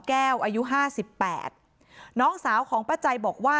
แต่พอเห็นว่าเหตุการณ์มันเริ่มเข้าไปห้ามทั้งคู่ให้แยกออกจากกัน